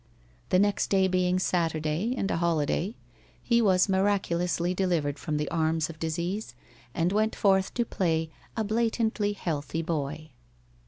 The next day being Saturday and a holiday, he was miraculously delivered from the arms of disease, and went forth to play, a blatantly healthy boy.